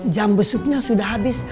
jam besuknya sudah habis